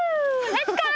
レッツゴー！